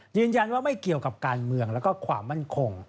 ยืนยันว่าไม่เกี่ยวกับการเมืองแล้วก็ความมั่นคง